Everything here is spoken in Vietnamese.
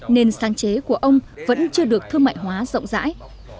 nên sáng chế của ông vẫn chưa được thương mại hóa rộng rãi